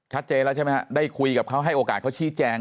ชัดเจนแล้วใช่ไหมฮะได้คุยกับเขาให้โอกาสเขาชี้แจง